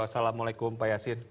assalamualaikum pak yasin